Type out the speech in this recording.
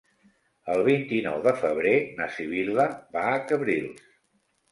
El vint-i-nou de febrer na Sibil·la va a Cabrils.